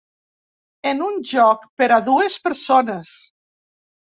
És un joc per a dues persones.